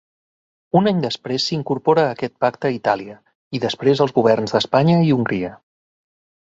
Un any després s'incorpora a aquest pacte Itàlia, i després els governs d'Espanya i Hongria.